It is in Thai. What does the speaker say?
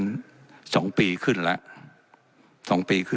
และยังเป็นประธานกรรมการอีก